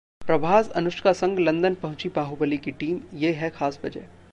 प्रभास-अनुष्का संग लंदन पहुंची 'बाहुबली' की टीम, ये है खास वजह